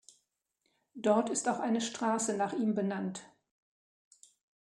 Dort ist auch eine Straße nach ihm benannt.